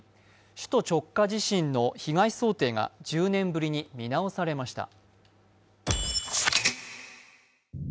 首都直下地震の被害想定が１０年ぶりに見直されました。